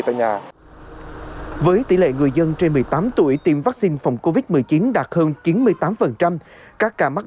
tại nga với tỷ lệ người dân trên một mươi tám tuổi tiêm vaccine phòng covid một mươi chín đạt hơn chín mươi tám các ca mắc